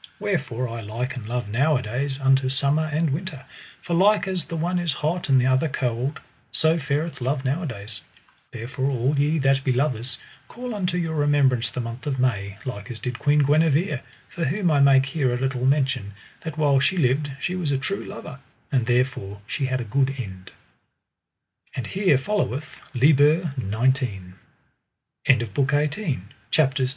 Wherefore I liken love nowadays unto summer and winter; for like as the one is hot and the other cold, so fareth love nowadays; therefore all ye that be lovers call unto your remembrance the month of May, like as did Queen Guenever, for whom I make here a little mention, that while she lived she was a true lover, and therefore she had a good end. Explicit liber Octodecimus. And here followeth liber xix. BOOK XIX. CHAPTER I.